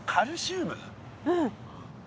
うん。